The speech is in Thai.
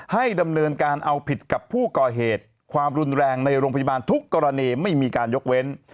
ให้ดำเนินการเอาผิดกับผู้ก่อเหตุความรุนแรงในโรงพยาบาลทุกกรณีไม่มีการยกเว้น